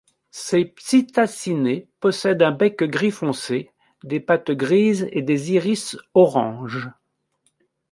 Ces Psittacinae possèdent un bec gris foncé, des pattes grises et des iris orange.